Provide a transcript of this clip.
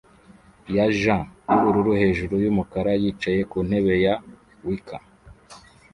ya jean yubururu hejuru yumukara yicaye ku ntebe ya wicker